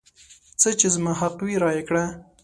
څه چې زما حق وي رایې کړه.